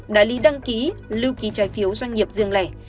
đại lý đăng ký lưu ký trái phiếu doanh nghiệp riêng lẻ